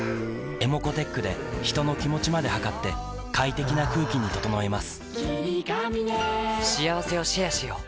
ｅｍｏｃｏーｔｅｃｈで人の気持ちまで測って快適な空気に整えます